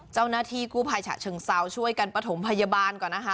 เจ้าหน้าที่กู้ภัยฉะเชิงเซาช่วยกันประถมพยาบาลก่อนนะคะ